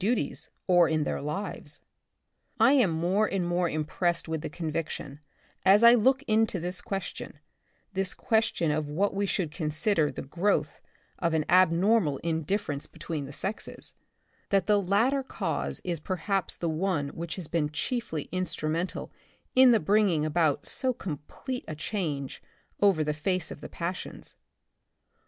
duties or in their lives. I am more and more impressed with the conviction, as I look into this question — this question of what we should con sider the growth of an abnormal indifference 42 The Republic of the Future, between the sexes — that the latter cause is per haps the one which has been chiefly instrumen tal in the bringing about so complete a change over the face of the passions.